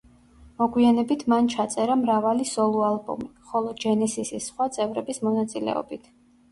მოგვიანებით მან ჩაწერა მრავალი სოლო ალბომი, ხოლმე ჯენესისის სხვა წევრების მონაწილეობით.